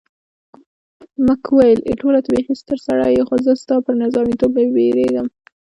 مک وویل، ایټوره ته بیخي ستر سړی یې، خو زه ستا پر نظامیتوب بیریږم.